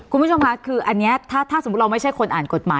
คุณผู้ชมค่ะคืออันนี้ถ้าสมมุติเราไม่ใช่คนอ่านกฎหมาย